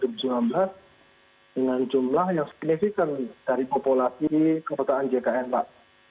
di satu agustus dua ribu sembilan belas dengan jumlah yang signifikan dari populasi kepotaan jkn pak